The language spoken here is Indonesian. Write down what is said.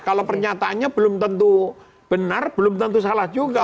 kalau pernyataannya belum tentu benar belum tentu salah juga